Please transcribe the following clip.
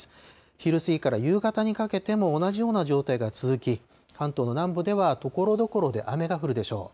昼過ぎから夕方にかけても、同じような状態が続き、関東の南部ではところどころで雨が降るでしょう。